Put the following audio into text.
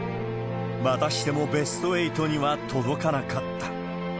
またしてもベスト８には届かなかった。